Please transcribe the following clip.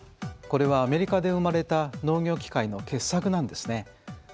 これはアメリカで生まれた農業機械の傑作なんですね。